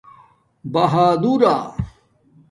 بہادورݳ